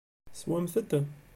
Teswamt-t?